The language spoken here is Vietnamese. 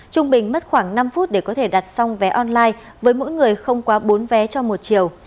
trung bình mất khoảng năm phút để có thể đặt xong vé online với mỗi người không quá bốn vé cho một chiều